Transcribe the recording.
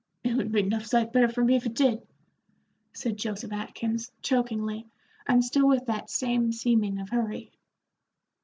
"It would be 'nough sight better for me if it did," said Joseph Atkins, chokingly, and still with that same seeming of hurry.